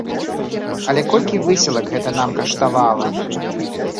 Але колькі высілак гэта нам каштавала!